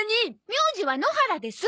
名字は野原です！